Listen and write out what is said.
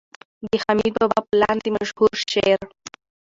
د حميد بابا په لاندې مشهور شعر